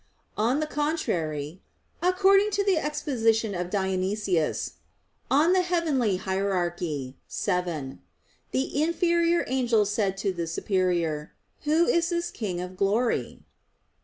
On the contrary, According to the exposition of Dionysius (Coel. Hier. vii), the inferior angels said to the superior: "Who is this King of Glory?"